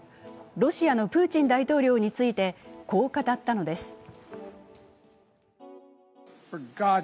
ロシアのプーチン大統領について、こう語ったのです。